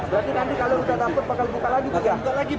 berarti nanti kalau sudah takut bakal buka lagi